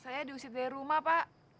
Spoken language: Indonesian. saya diusir dari rumah pak